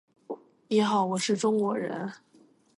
你好，我是中国人。